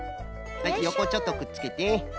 よこちょっとくっつけて。